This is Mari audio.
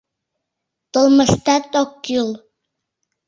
Толмыштат ок кӱл!